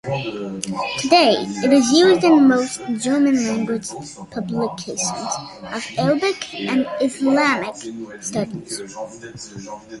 Today it is used in most German-language publications of Arabic and Islamic studies.